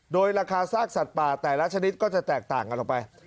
โดยราคาซากสัตว์ป่าแต่ละชนิดก็จะแตกต่างกันออกไป